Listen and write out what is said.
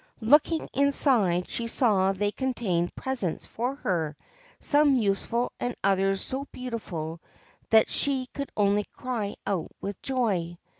Looking inside, she saw that they contained presents for her, some useful and others so beautiful that she could only cry out with joy.